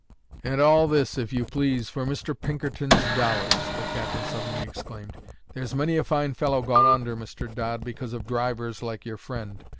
"And all this, if you please, for Mr. Pinkerton's dollars!" the captain suddenly exclaimed. "There's many a fine fellow gone under, Mr. Dodd, because of drivers like your friend.